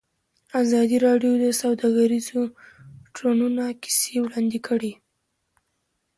ازادي راډیو د سوداګریز تړونونه کیسې وړاندې کړي.